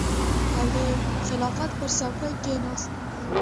او د خلافت پر څوکۍ کېناست.